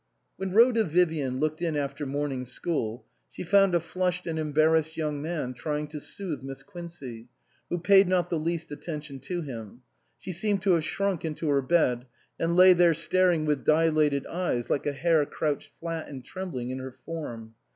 When Rhoda Vivian looked in after morning school, she found a flushed and embarrassed young man trying to soothe Miss Quincey, who paid not the least attention to him ; she seemed to have shrunk into her bed, and lay there staring with dilated eyes like a hare crouched flat and trembling in her form.